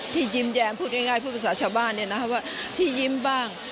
ยิ้มแย้มพูดง่ายพูดภาษาชาวบ้านว่าที่ยิ้มบ้าง